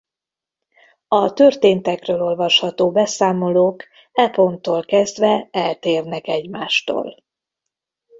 A történtekről olvasható beszámolók e ponttól kezdve eltérnek egymástól.